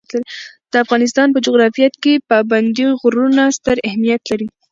د افغانستان په جغرافیه کې پابندي غرونه ستر اهمیت لري.